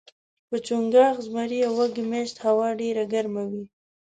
په چنګاښ ، زمري او وږي میاشت هوا ډیره ګرمه وي